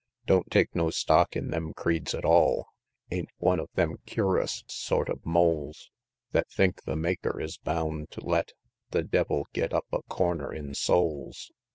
XVII. Don't take no stock in them creeds at all; Ain't one of them cur'us sort of moles Thet think the Maker is bound to let The devil git up a "corner" in souls.